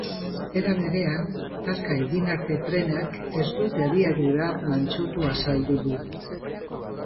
Era berean, talka egin arte trenak ez duela abiadura mantsotu azaldu du.